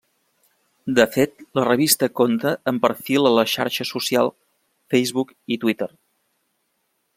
De fet, la revista compta amb perfil a les xarxes socials Facebook i Twitter.